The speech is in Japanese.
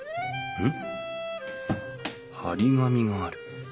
うん。